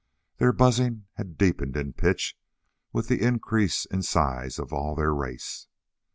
Their buzzing had deepened in pitch with the increase in size of all their race.